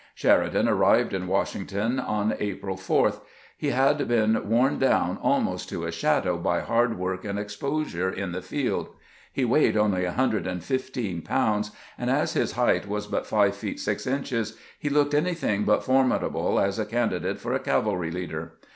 Sheridan arrived in Washington on April 4. He had 24 CAMPAIGNING WITH GRANT been worn down almost to a shadow by bard work and exposure in tbe field ; be weighed only a hundred and fifteen pounds, and as his height was but five feet six inches, he looked anything but formidable as a candi date for a cavalry leader.